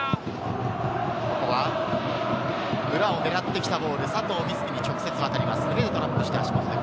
ここは裏を狙ってきたボール、佐藤瑞起に直接渡ります。